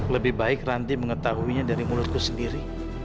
lebih baik ranti mengetahuinya dari mulutku sendiri